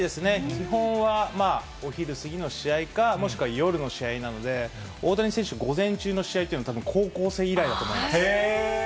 基本は、お昼過ぎの試合か、もしくは夜の試合なので、大谷選手、午前中の試合っていうのはたへー。